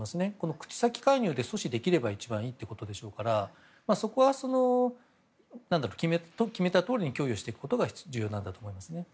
口先介入でできれば一番いいということでしょうからそこは、決めたとおりに供与していくことが重要なんだと思いますね。